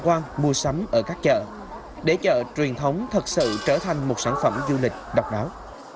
quan mua sắm ở các chợ để chợ truyền thống thật sự trở thành một sản phẩm du lịch độc đáo